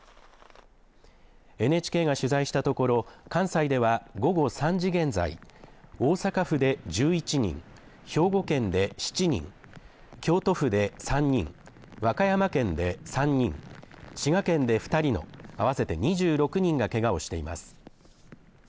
ＮＨＫが取材したところ関西では午後３時現在、大阪府で１１人、兵庫県で７人、京都府で３人、和歌山県で３人、滋賀県で２人の合わせて２６人がけがをしています。